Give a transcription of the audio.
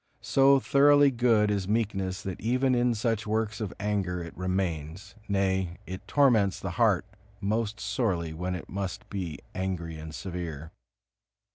So thoroughly good is meekness that even in such works of anger it remains, nay, it torments the heart most sorely when it must be angry and severe.